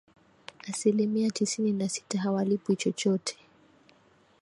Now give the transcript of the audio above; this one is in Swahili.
asilimia tisini na sita hawalipwi chochote